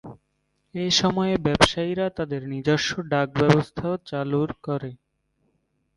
এ সময়ে ব্যবসায়ীরা তাদের নিজস্ব ডাক ব্যবস্থাও চালুর করে।